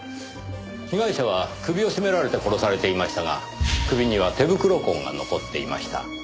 被害者は首を絞められて殺されていましたが首には手袋痕が残っていました。